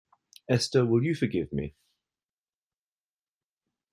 Esther, will you forgive me?